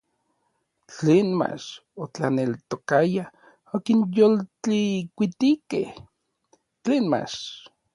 Tlen mach otlaneltokayaj okinyoltlikuitijkej tlen mach.